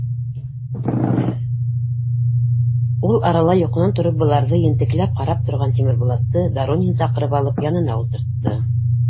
Ул арала йоҡонан тороп быларҙы ентекләп ҡарап торған Тимербулатты Доронин саҡырып алып янына ултыртты.